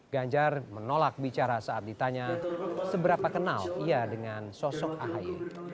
ganjar menolak bicara saat ditanya seberapa kenal ia dengan sosok ahy